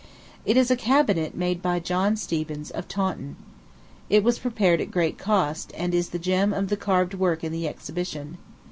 It is a cabinet made by John Stevens, of Taunton. It was prepared at great cost, and is the gem of the carved work in the exhibition.